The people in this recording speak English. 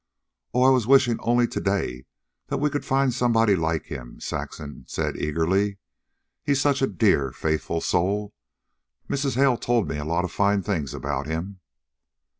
"Oh, I was wishing only to day that we could find somebody like him," Saxon said eagerly. "He's such a dear, faithful soul. Mrs. Hale told me a lot of fine things about him."